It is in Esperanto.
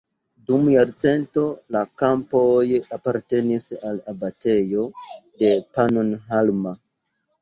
Dum jarcento la kampoj apartenis al abatejo de Pannonhalma.